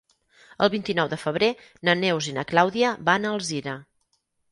El vint-i-nou de febrer na Neus i na Clàudia van a Alzira.